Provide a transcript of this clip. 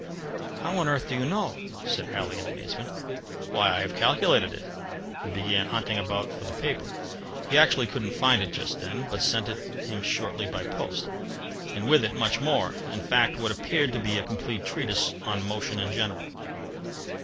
"How on earth do you know?" said Halley in amazement. "Why, I have calculated it," and began hunting about for the paper. He actually couldn't find it just then, but sent it him shortly by post, and with it much more in fact, what appeared to be a complete treatise on motion in general.